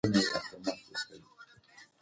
طبیعي خواړه د انسان د هضم لپاره ډېر ګټور دي.